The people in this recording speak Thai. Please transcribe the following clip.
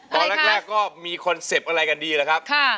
ตอนแรกก็มีคอนเซ็ปต์อะไรกันดีแหละครับ